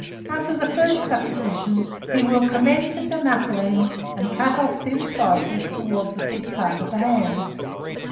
Under the first supposition, he will commence at the knuckle end, and cut off thin slices towards the thick part of the ham.